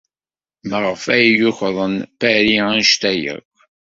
Maɣef ay ukḍen Paris anect-a akk?